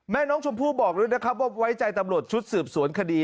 แม่น้องชมพู่บอกด้วยนะครับว่าไว้ใจตำรวจชุดสืบสวนคดี